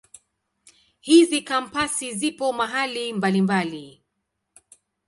Hizi Kampasi zipo mahali mbalimbali.